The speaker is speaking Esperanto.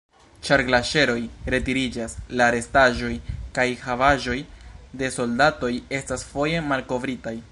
Ĉar glaĉeroj retiriĝas, la restaĵoj kaj havaĵoj de soldatoj estas foje malkovritaj.